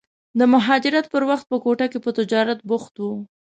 د مهاجرت پر وخت په کوټه کې په تجارت بوخت و.